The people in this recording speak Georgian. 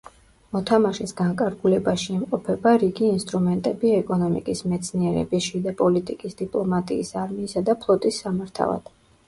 მოთამაშის განკარგულებაში იმყოფება რიგი ინსტრუმენტები ეკონომიკის, მეცნიერების, შიდა პოლიტიკის, დიპლომატიის, არმიისა და ფლოტის სამართავად.